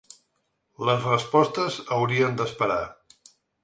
Les respostes haurien d’esperar.